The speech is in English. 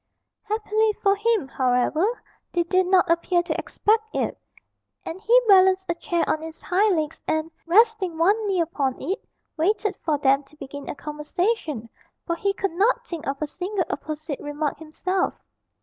Happily for him, however, they did not appear to expect it, and he balanced a chair on its hind legs and, resting one knee upon it, waited for them to begin a conversation, for he could not think of a single apposite remark himself.